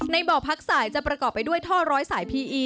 บ่อพักสายจะประกอบไปด้วยท่อร้อยสายพีอี